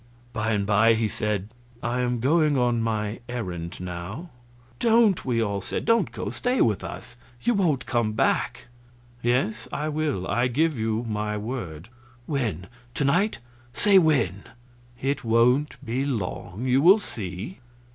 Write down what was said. By and by he said: "I am going on my errand now." "Don't!" we all said. "Don't go; stay with us. You won't come back." "Yes, I will; I give you my word." "When? To night? Say when." "It won't be long. You will see."